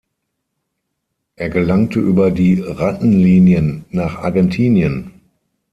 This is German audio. Er gelangte über die Rattenlinien nach Argentinien.